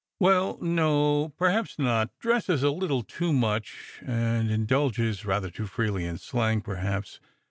" Well, no, perhaps not; dresses a little too much, and indulges rather too freely in slang, perhaps.